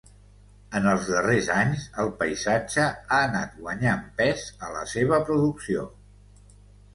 En els darrers anys, el paisatge ha anat guanyant pes a la seva producció.